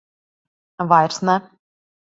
Vairs ne.